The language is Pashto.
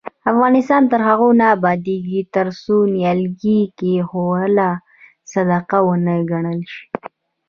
افغانستان تر هغو نه ابادیږي، ترڅو نیالګي کښینول صدقه ونه ګڼل شي.